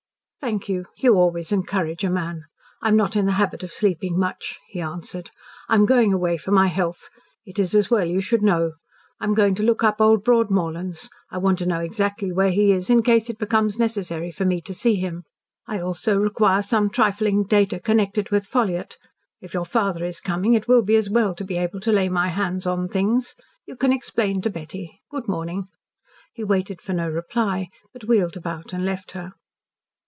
"Thank you. You always encourage a man. I am not in the habit of sleeping much," he answered. "I am going away for my health. It is as well you should know. I am going to look up old Broadmorlands. I want to know exactly where he is, in case it becomes necessary for me to see him. I also require some trifling data connected with Ffolliott. If your father is coming, it will be as well to be able to lay my hands on things. You can explain to Betty. Good morning." He waited for no reply, but wheeled about and left her.